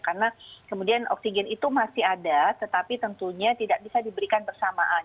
karena kemudian oksigen itu masih ada tetapi tentunya tidak bisa diberikan bersamaan